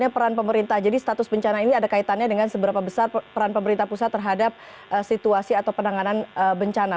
peran pemerintah jadi status bencana ini ada kaitannya dengan seberapa besar peran pemerintah pusat terhadap situasi atau penanganan bencana